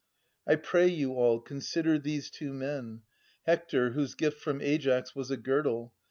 — 1 pray you all, consider these two men. Hector, whose gift from Aias was a girdle.